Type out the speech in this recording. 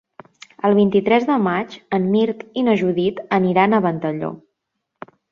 El vint-i-tres de maig en Mirt i na Judit aniran a Ventalló.